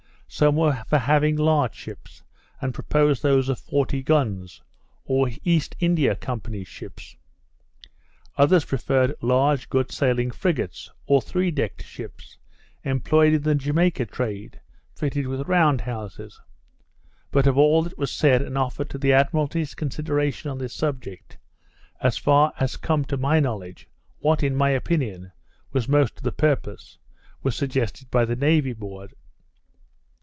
Some were for having large ships, and proposed those of forty guns, or East India Company's ships. Others preferred large good sailing frigates, or three decked ships, employed in the Jamaica trade, fitted with round houses. But of all that was said and offered to the Admiralty's consideration on this subject, as far as has come to my knowledge, what, in my opinion, was most to the purpose, was suggested by the Navy board.